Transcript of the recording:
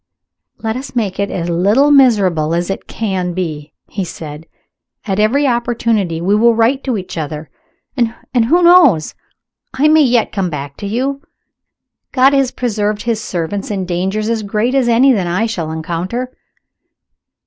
"Let us make it as little miserable as it can be," he said. "At every opportunity we will write to each other. And, who knows I may yet come back to you? God has preserved his servants in dangers as great as any that I shall encounter.